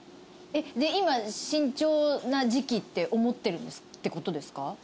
で今慎重な時期って思ってるってことですか？